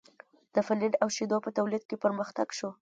د پنیر او شیدو په تولید کې پرمختګ شو.